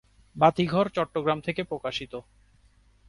বাতিঘর চট্টগ্রাম থেকে প্রকাশিত।